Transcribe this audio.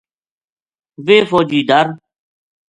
ویہ فوجی ڈر